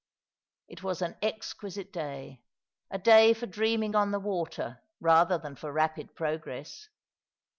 It was an exquisite day— a day for dreaming on the water rather than for rapid progress.